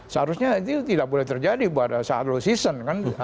seharusnya itu tidak boleh terjadi pada saat low season kan